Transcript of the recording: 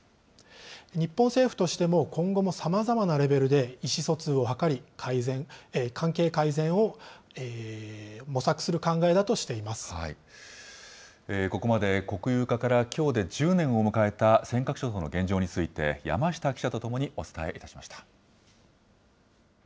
日本政府としても今後もさまざまなレベルで意思疎通を図り、関係改善を模索する考えだとしていまここまで国有化からきょうで１０年を迎えた尖閣諸島の現状について山下記者と共にお伝えいたしました。